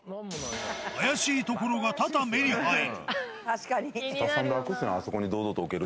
怪しいところが多々目に入る。